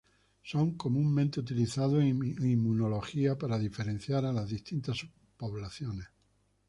Son comúnmente utilizados en inmunología para diferenciar a las distintas subpoblaciones.